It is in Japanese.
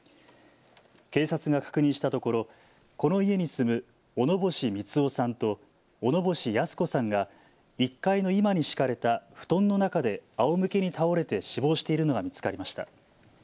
警察が確認したところこの家に住む小野星三男さんと小野星泰子さんが１階の居間に敷かれた布団の中であおむけに倒れて死亡しているのが見つかりました。